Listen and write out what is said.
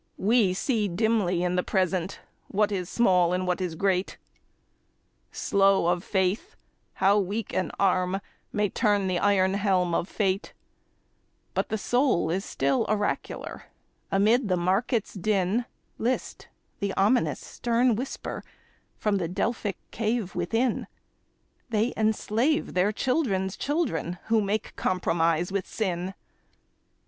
We see dimly in the Present what is small and what is great, Slow of faith how weak an arm may turn the iron helm of fate, But the soul is still oracular; amid the market's din, List the ominous stern whisper from the Delphic cave within,— 'They enslave their children's children who make compromise with sin.